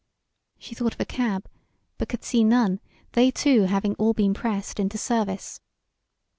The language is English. She thought of a cab, but could see none, they too having all been pressed into service.